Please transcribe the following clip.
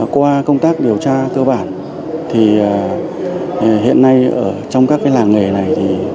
qua công tác điều tra cơ bản hiện nay trong các làng nghề này